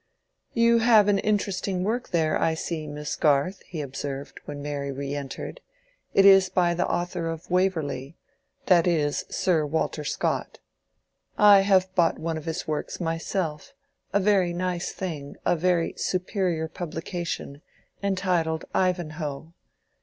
"You have an interesting work there, I see, Miss Garth," he observed, when Mary re entered. "It is by the author of 'Waverley': that is Sir Walter Scott. I have bought one of his works myself—a very nice thing, a very superior publication, entitled 'Ivanhoe.